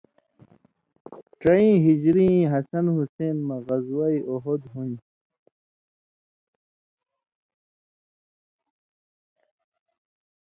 ڇَییں ہِجریں حسن حُسېن مہ، غزوہ اُحُد ہُون٘دیۡ۔